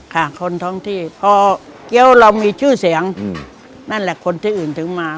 คนท้องที่พอเกี้ยวเรามีชื่อเสียงนั่นแหละคนที่อื่นถึงมา